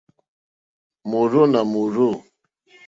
Mòrzô nà mòrzô.